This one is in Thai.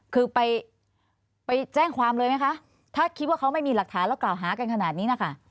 คือไปไปแจ้งความเลยไหมคะถ้าคิดว่าเขาไม่มีหลักฐานแล้วกล่าวหากันขนาดนี้นะคะ